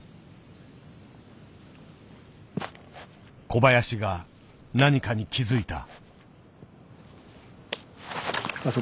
小林が何かに気付いた。